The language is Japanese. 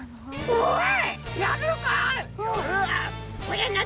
「おい」。